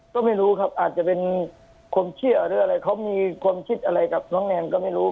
ก็ไม่รู้ครับอาจจะเป็นความเชื่อหรืออะไรเขามีความคิดอะไรกับน้องแนนก็ไม่รู้